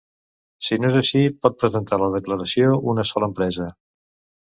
Si no és així, pot presentar la declaració una sola empresa.